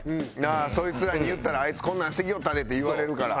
ああそいつらに言ったら「あいつこんなんしてきよったで」って言われるから。